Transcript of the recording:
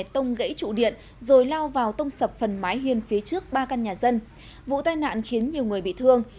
tông gãy trụ điện rồi lao vào tông sập phần mái hiên phía trước ba căn nhà dân vụ tai nạn khiến nhiều người bị thương